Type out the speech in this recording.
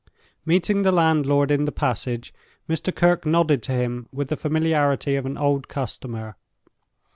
Meeting the landlord in the passage, Mr. Kirke nodded to him with the familiarity of an old customer.